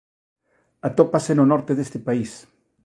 Atópase no norte deste país.